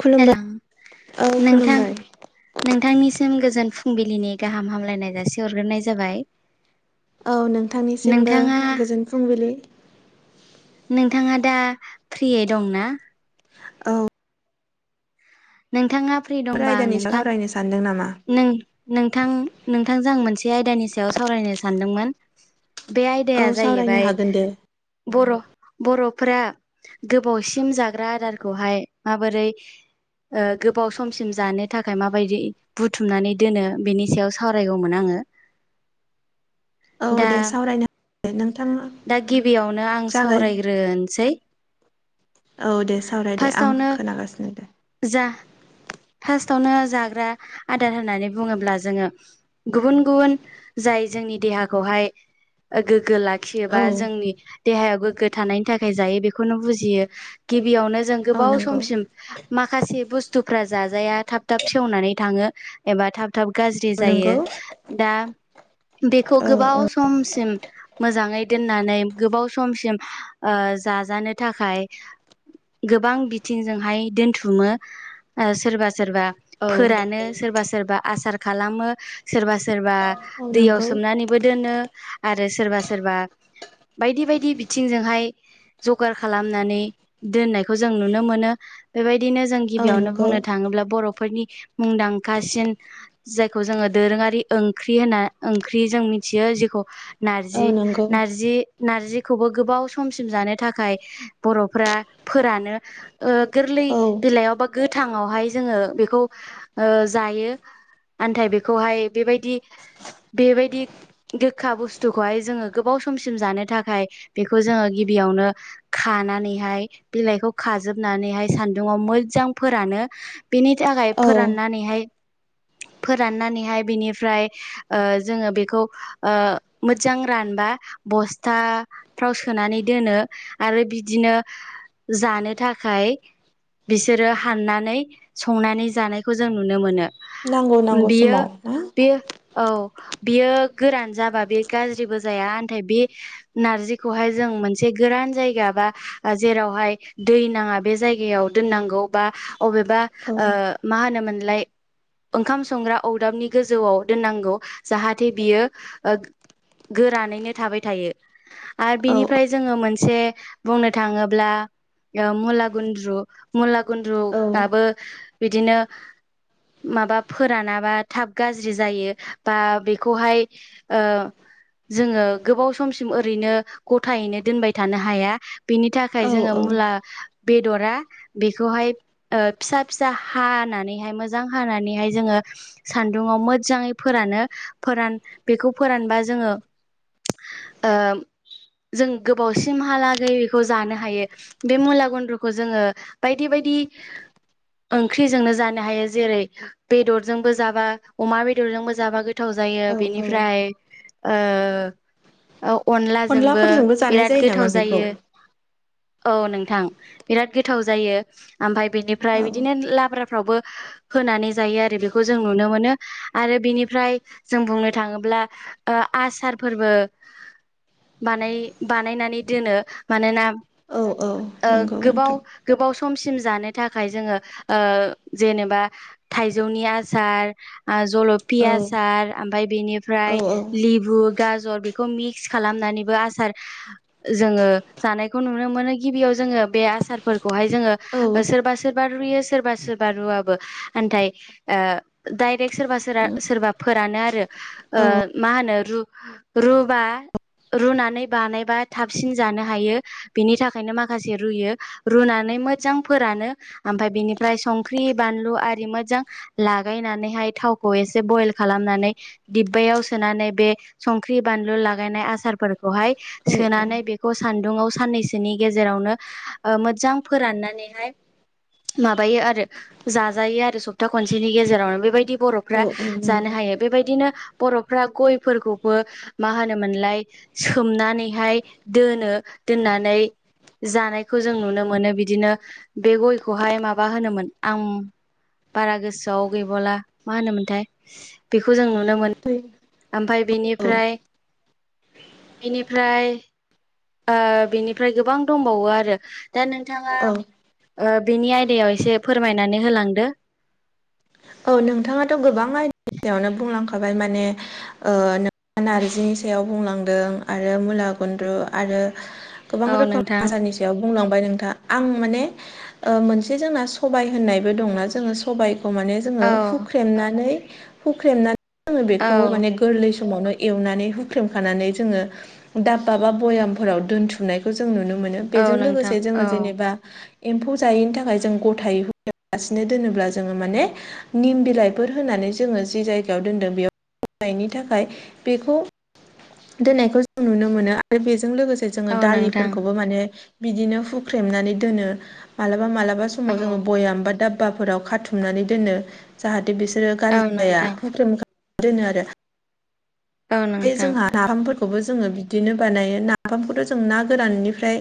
खुलुमबाय हेलौ औ नोंथां। खुलुमबाय नोंथांनिसिम गोजोन फुंबिलिनि गाहाम हामलायनाय जासिहरग्रोनाय जाबाय। औ नोंथांनिसिमबो नोंथाङा गोजोन फुंबिलि। नोंथाङा दा फ्रियै दंना? औ। नोंथाङा फ्रि दंबा आयदानि नोंथां सावरायनो सानदों नामा नों नोंथां नोंथांजों आं मोनसे आयदानि सायाव सावरायनो सानदोंमोन। बे औ आयदाया सावरायनो जाहैबाय हागोन दे जों बर' बर'फोरा गोबावसिम जाग्रा आदारखौहाय माबोरै गोबाव समसिम जानो थाखाय माबादि बुथुमनानै दोनो बेनि सायाव सावरायगौमोन आङोनो। औ दे सावरायनो दे नोंथाङा। दा गिबियावनो आं जागाय सावरायग्रोनोसै। औ दे सावराय दे आं फार्स्टआवनो खोनागासिनो दंङ जा फार्स्टआवनो जाग्रा आदार होननानै बुङोब्ला जोङो। गुबुन गुबुन जाय जोंनि देहाखौहाय गोग्गो लाखि गियोबा औ जोंनि देहायाव गोग्गो थानायनि थाखाय जायो बेखौनो बुजियो गिबियावनो जों औ गोबाव नंगौ समसिम माखासे बुस्थुफोरा जाजाया थाब थाब सेवनानै थाङो एबा थाब थाब गाज्रि औ जायो नंगौ दा बेखौ औ गोबाव औ समसिम मोजाङै दोननानै गोबाव समसिम जाजानो थाखाय गोबां बिथिंजोंहाय दोनथुमोन सोरबा सोरबा औ फोरानो सोरबा सोरबा आसार खालामो सोरबा सोरबा औ दैयाव नंगौ सोमनानैबो दोनो आरो सोरबा सोरबाखौ बायदि बायदि बिथिंजोंहाया जगार खालामनानै दोननायखौ जों नुनो मोनो बेबायदिनो जों औ गिबियावनो ओ नंगौ नो थाङोब्ला बर'फोरनि मुंदांखासिन। जायखौ जोङो दोरोङारि ओंख्रि होनना ओंख्रि जों मिथियो जेखौ औ नार्जि नंगौ नार्जि नार्जि नार्जिखौबो गोबाव समसिम जानो थाखाय बर'फोरा फोरानो गोरलै औ बेलायाव बिलाइ गोथाङावहाय जोङो बेखौ जायो आन्थाय बेखौहाय बेबादि बेबादि गोखा बुस्थुखौहाय जोङो गोबाव समसिम जानो थाखाय बेखौ जोङो गिबियावनो। खानानैहाय बिलाइखौ खाजोबनानैहाय सान्दुुंआव मोजां फोरानो बेनि थाखाय औ फोराननानैहाय। फोराननानैहाय बिनिफ्राय जोङो बेखौ मोजां रानबा बस्था। फाव सोनानै दोनो आरो बिदिनो। जानो थाखाय बिसोर आरो हाननानै संनानै जानायखौ जों नुनो मोनो। नांगौ नांगौ बियो समाव ना बियो औ बियो गोरान जाबा बेयो गाज्रिबो जाया मेथाय बे नारजिखौहाय जों मोनसे गोरान जायगा बा जेरावहाय दै नाङा बे जायगायाव ओ दोननांगौ बा अबेबा औ मा होनोमोनलाय ओ ओंखाम संग्रा अरदाबनि गोजौआव दोननांगौ जाहाथे बियो गोरानैनो थाबाय थायो। आरो औ बिनिफ्राय जोङो मोनसे बुंनो थाङोब्ला। मुला गुन्द्रु मुला गुन्द्रुआबो बिदिनो माबा फोरानाबा थाब गाज्रि जायो बा बेखौहाय ओ जोङो गोबाव समसिम ओरैनो गथायैनो दोनबाय थानो हाया बेनि थाखाय औ जोङो मुला औ बेदरा बे खौहाय फिसा फिसा हानानैहाय मोजां हानानैहाय जोङो सान्दुङाव मोजाङै फोरानो फोरान बेखौ फोरानबा जोङो ओ जों गोबावसिमहालागै बेखौ जानो हायो बे मुला गुन्द्रखौ जोङो बायदि बायदि ओंख्रिजोंनो जानो हायो जेरै बेदरजोंबो जाबा अमा बेदरजोंबो जाबा गोथाव जायो औ बेनिफ्राय ओ औ अनलाजोंबो अनलाफोरजोंबो जानाय बिराद जायो नामा गोथाव बेखौ जायो। औ नोंथां बिराद गोथाव जायो ओमफाय बेनिफ्राय औ बिदिनो लाब्रा फ्रावबो होनानै जायो आरो बेखौ जों नुनो मोनो आरो बेनिफ्राय जों बुंनो थाङोब्ला ओ आसार फोरबो बानाय बानायनानै दोनो मानोना औ औ ओ नो गोबाव गोबाव समसिम जानो थाखाय जोङो ओ जेनेबा थाइजौनि आसार जलफि औ आसार ओमफ्राय औ बेनिफ्राय औ लेबु गाजर बेखौ मिक्स खालामनानैबो आसार जोङो जानायखौ नुनो मोनो गिबियाव जोङो बे आसार फोरखौहाय जोङो औ ओ सोरबा सोरबा रुयो सोरबा सोरबा रुवाबो आनथाय ओ डायरेक्ट सोरबा सोरा सोरबा फोरानो आरो। ओ मा होनो रु रुबा रुनानै बानायबा थाबसिन जानो हायो बेनि थाखायनो माखासे रुयो रुनानै मोजां फोरानो ओमफ्राय बेनिफ्राय संख्रि बानलु आरि मोजां लागायनानैहाय थावखौ एसे बयेल खालामनानै दिब्बायाव सोनानै बे संख्रि बानलु लागायनाय आसारफोर खौहाय औ सोनानै बेखौ सान्दुङाव साननैसोनि गेजेरावनो ओ मोजां फोराननानैहाय माबायो आरो जाजायो आरो सप्ता खनसेनि गेजेरावनो बेबायदि बर' फ्रा औ औ जानो नंगौ हायो बेबायदिनो बर'फ्रा गयफोरखौबो मा होनोमोनलाय सोमनानैहाय दोनो दोननानै जानाय खौ जों नुनो मोनो बिदिनो बे गयखौहाय माबा होनोमोन आं बारा गोसोआव गैबावला मा होनोमोनथाय बेखौ जों नुनो मोनो आमफाय औ बेनिफ्राय बेनिफ्राय आ बिनिफ्राय गोबां दंबावो आरो। दा नोंथाङा औ ओ बिनि आयदायाव एसे फोरमायनानै होलांदो। औ नोंथाङाथ' गोबां आयदायावनो बुंलांखाबाय माने ओ नोंथाङा नारजिनि सायाव बुंलांदों आरो मुला गुन्द्रु आरो गोबां औ रोखोम नोंथां आसानि सायाव बुंलांबाय नोंथाङा आं माने मोनसे जोंना सबाय होननायबो दंना जोङो सबाइखौ माने जोङो औ हुख्रेमनानै हुख्रेमनानै जोङो औ बेखौ माने गोरलै समावनो एवनानै हुख्रेमखानानै जोङो दाब्बा बा भयामफोराव दोनथुमनायखौ जों नुनो मोनो औ बेजों नोंथां लोगोसे जोङो औ जेनेबा एम्फौ जायैनि थाखाय जों गथायै होगियालासिनो दोनोब्ला जोङो माने निम बिलाइफोर होनानै जोङो जि जायगायाव दोनदों बेयाव नायनि थाखाय बेखौ दोननायखौ जों नुनो मोनो आरो बेजों लोगोसे जोङो औ नोंथां दालिफोरखौबो माने बिदिनो हुख्रेमनानै दोनो मालाबा मालाबा स समाव औ जोङो बयाम बा दाब्बाफोराव खाथुमनानै दोनो। जाहाथे बिसोरो औ गाज्रि जाया नोंथां हुख्रेम खाना दोनो औ आरो नोंथां जोंहा नाफामफोरखौबो जोङो बिदिनो बानायो नाफामखौथ' जों ना गोराननिफ्राय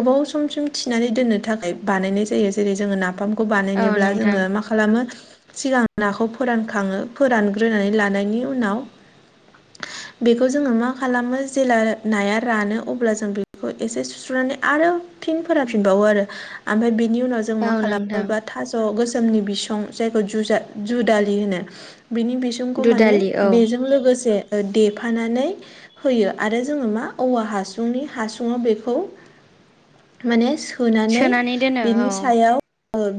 गोबाव समसिम थिनानै दोननो थाखाय बानायनाय जायो जेरै जोङो नाफाम खौ औ बानायनोब्ला नोंथां जोङो मा खालामो सिगां नाखौ फोरानखाङो फोरानग्रोनानै लानायनि उनाव [inaudible] बेखौ जोङो मा खालामो जेब्ला नाया रानो अब्ला जों बेखौ एसे सुस्रुनानै आरो फिन फोरानफिनबावो आरो ओमफ्राय बिनि उनाव जों औ मा नोंथां खालामोबा थाज' गोजोमनि बिसं जाय जुजा दुदालि बेनि बिसंखौ माने दुदालि औ बेजों जों लोगोसे देफानानै होयो आरो जोङो मा औवा हासुंनि हासुुङाव बेखौ माने सोनानै दोनो बिनि औ सायाव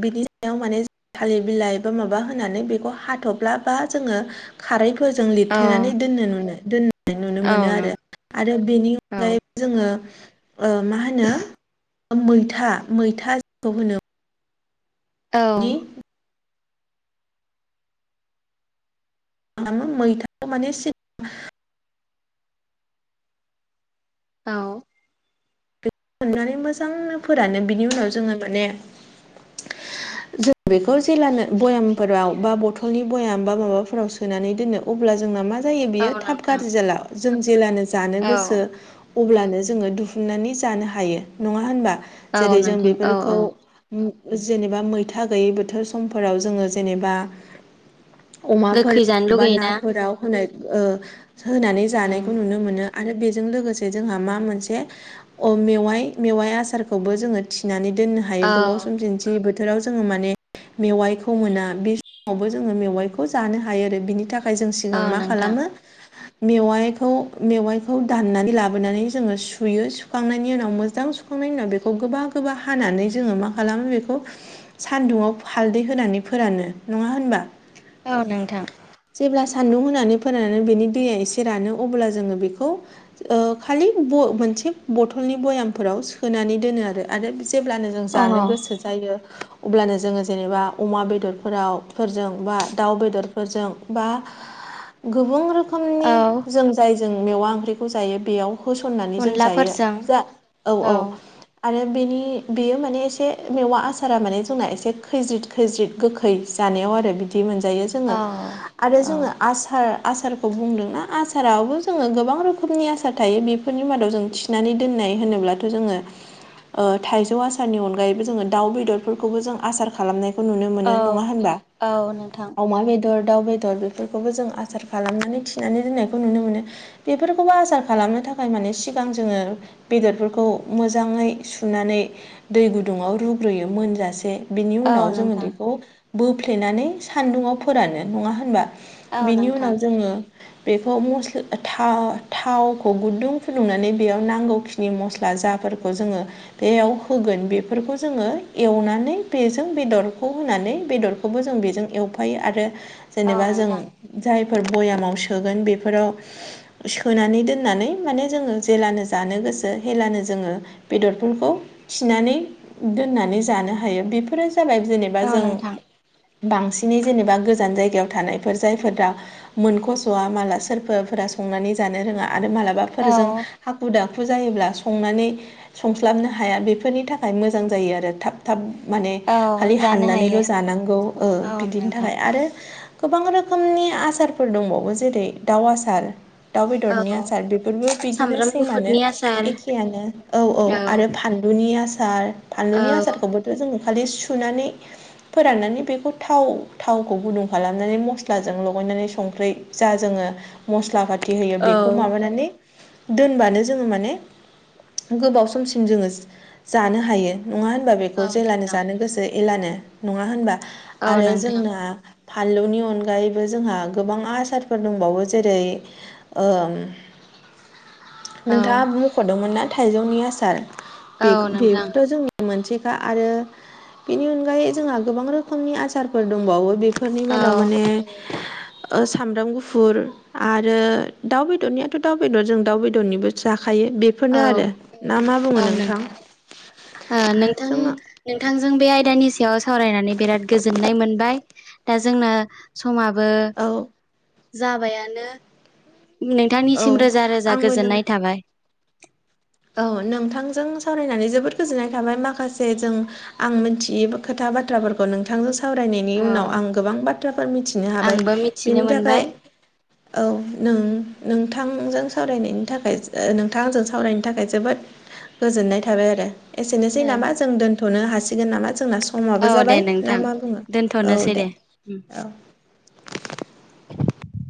बिनि सायाव माने जों थालिर बिलाइ माबा माबा होनानै बेखौ हाथ'फ्ला बा जोङो खारैफोरजों औ लिरथेनानै दोन नुनो दोननाय नुनो औ मोनो नों आरो आरो बेनि औ अनगायै जोङो मा होनो मैथा मैथाखौ होनो औ। मानि खालामो मैथाखौ माने सिद औ। थननानै मोजांनो फोरानो बिनि उनाव जोङो माने ज बेखौ जेलानो भयामफोराव बा बथलनि भयाम बा माबाफोराव सोनानै दोनो अब्ला जोंना मा जायो औ बेयो थाब नोंथां गाज्रि जाला जों जेलानो जानो औ गोसो अब्लानो जोङो दिहुननानै जानो हायो नङा होनबा औ जेरै जों नोंथां औ बेफोरखौ औ जेनेबा मैथा गैयै बोथोर समफोराव जोङो जेनेबा गोखै जानो अमाफोराव बा लुगैयोना नाफोराव होनाय होनानै उम जानायखौ नुनो मोनो आरो बे जोंहा मा मोनसे मेव आसारखौबो जोङो थनानै दननो हायो औ गोबाव सम दिन्थि बोथोराव जोङो माने मेवाइखौ मोना बे समावबो जोङो मेवाइखौ जानो हायो आरो बिनि थाखाय थाखाय जों सिगां औ मा नोंथां खालामो मेवाइखौ मेवाइखौ दाननानै लाबोनानै जोङो सुयो। सुखांनायनि उनाव मोजां सुखांनायनि उनाव बेखौ गोबा गोबा हानानै जोङो मा खालामो बेखौ सान्दुङाव हालदै होनानै फोरानो नङा होनबा? औ नोंथां। जेब्ला सान्दुं होनानै फोनानै बेनि दैया एसे रानो अब्ला जोङो बेखौ खालि ब मोनसे बथलनि भयामफोराव सोनानै दोनो आरो आरो जेब्लानो जों जानो अ गोसो जायो। अब्लानो जोङो जेनेबा अमा बेदरफोराव फोरजों बा दाउ बेदरफोरजों बा गोबां रोखोम औ रोखोमनि जों जाय जों मेवा ओंख्रिखौ जायो बेयाव होसननानै जों जायो। अनलाफोरजों जा औ औ। आरो बेनि बेयो माने एसे मेवा आसारा माने जोंना एसे खैज्रिद खैज्रिद गोखै। जानायाव आरो बिदि मोनजायो जोङो औ आरो औ जोङो आसार आसारखौ बुंदोंना आसाराबबो जोङो गोबां रोखोमनि आसार थायो बेफोरनि मादाव जों थि नानै दोननाय होनोब्लाथ जोङो थाइजौ आसारनि अनगायैबो जोङो दाउ बेदरफोरखौबो जों आसार खालामनायखौ नुनो औ मोनो नङा होनबा? औ नोंथां अमा बे दर दाउ बेदर बेफोरखौबो जों आसार खालामनानै थिनानै दोननायखौ नुनो मोनो। बेफोरखौबो आसार खालामनो थाखाय माने सिगां जोङो बेदरफोरखौ मोजाङै सुनानै दै गुदुङाव रुग्रोयो मोनजासे। बिनि औ उनाव जोङो नोंथां बेखौ बोफ्लेनानै सान्दुंङाव फोरानो नङा होनबा? औ बेनि नोंथां उनाव जोङो बेखौ मस्ला था थावखौ गुदुं फुदुंनानै बेयाव नांगौ खिनि मस्ला जाफोरखौ जोङो बेयाव होगोन बेफोरखौ जोङो एवनानै बेजों बेदरखौ होनानै बेदर खौबो जों बेजों एवफायो आरो औ जेनेबा जों नोंथां जायफोर भयामाव सोगोन बेफोराव सोनानै दोननानै माने जोङो जेलानो जानो गोसो हेलानो जोङो बेदरफोरखौ थिनानै दोननानै जानो हायो बेफोरो जाबाय जेनेबा औ जों नोंथां बांसिनै जेनेबा गोजान जायगायाव थानायफोर जायफोरा दा मोनखसवा माला सोरबाफोरा संनानै जानो रोङा आरो मालाबाफोर जों औ हाखु दाखु जायोब्ला संनानै संस्लाबनो हाया बेफोरनि थाखाय मोजां जायो आरो थाब थाब माने औ खालि जानो हायो हाननानैल जानांगौ औ बिदिनि नोंथां थाखाय आरो गोबां रोखोमनि आसारफोर दंबावो जेरै दाउ आसार दाउ औ बेदरनि आसार बेफोरबो बिदिनो सामब्राम सेमानो गुफुरनि आसार एखेयानो औ औ आरो फान लुनि आसार औ फानलुनि आसारखौबोथ जोङो खालि सुनानै फोराननानै बेखौ थाव थावखौ गुदुं खालामनानै मस्लाजों लगायनानै संख्रै जा जोङो मस्ला फाथि होयो औ बेखौ माबानानै दोनबानो जोंङो माने गोबाव समसिम जोंङो जानो हायो नङा होनबा बे औ जेला नोंथां जानो गोसो एलानो नङा होनबा औ आरो नोंथां जोंना फानलुनि अनगायैबो जोंहा गोबां आसारफोर दंबावो जेरै नोंथांङा औ मख'दोंमोन ना थाइजौनि आसार बेखौ औ नोंथां बेबोथ' जोंनि मोनसेखा आरो बेनि अनगायै जोंहा गोबां रोखोमनि आसारफोर दंबावो बे फोरनि मादाव औ माने सामब्राम गुफुर आरो दाउ बेदरनियाथ' दाउ बेदर जों दाउ बेदरनिबो जाखायो बेफोरनो औ आरो ना मा बुंङो नोंथां नोंथां जोङो नोंथांजों बे आयदानि सायाव सावरायनानै बिराद गोजोननाय मोनबाय दा जोंना समाबो औ जाबायानो औ नोंथांनिसिम रोजा रोजा आंबो नों गोजोननाय थाबाय औ नोंथांजों सावरायनानै जोबोद गोजोननाय थाबाय माखासे जों आं मिथियि खोथा बाथ्राफोर खौ नोंथांजों सावरायनायनि औ उनाव आं गोबां बाथ्राफोर मिथिनो हाबाय आंबो मिथिनो बेनि मोनबाय थाखाय औ नों नोंथांजों सावरायनायनि थाखाय नोंथाङा आंजों सावरायनाय थाखाय जोबोद गोजोननाय थाबाय आरो एसेनोसै नामा जों दोनथनो हासिगोन नामा जोंना औ समाबो दे जाबाय ना नोंथां मा बुंङो औ दोनथ'नोसै दे उम औ